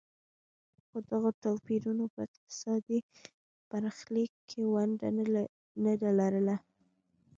خو دغو توپیرونو په اقتصادي برخلیک کې ونډه نه ده لرلې.